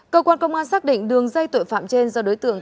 cơ quan công an xác định đường dây tội phạm trên do đối tượng